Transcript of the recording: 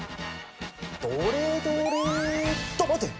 どれどれとまて！